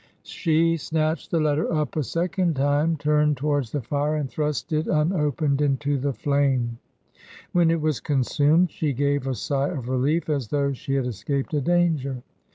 She snatched the letter up a second time, turned towards the fire, and thrust it M 23 266 TRANSITION. unopened into the flame. When it was consumed she gave a sigh of relief as though she had escaped a danger.